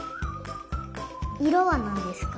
いろはなんですか？